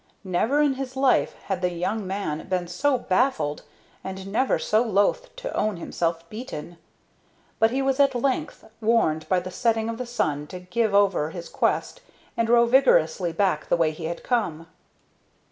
Never in his life had the young man been so baffled and never so loath to own himself beaten; but he was at length warned by the setting of the sun to give over his quest and row vigorously back the way he had come.